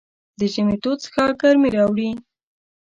د ژمي تود څښاک ګرمۍ راوړي.